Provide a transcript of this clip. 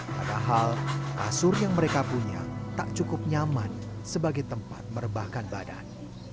padahal kasur yang mereka punya tak cukup nyaman sebagai tempat merebahkan badan